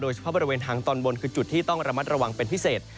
เฉพาะบริเวณทางตอนบนคือจุดที่ต้องระมัดระวังเป็นพิเศษ